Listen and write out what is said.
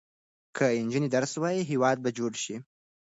که نجونې درس ووايي، هېواد به جوړ شي.